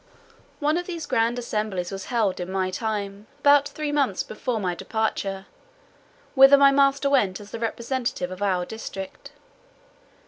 One of these grand assemblies was held in my time, about three months before my departure, whither my master went as the representative of our district.